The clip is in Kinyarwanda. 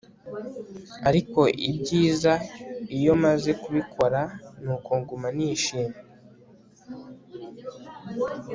ariko ibyiza iyo maze kubikora nuko nguma nishimye